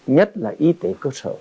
nhất là y tế cơ sở